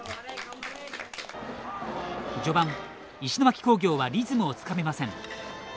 序盤、石巻工業はリズムをつかめません。